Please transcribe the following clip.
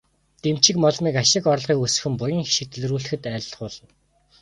Дэмчигмоломыг ашиг орлогыг өсгөн, буян хишгийг дэлгэрүүлэхэд айлтгуулна.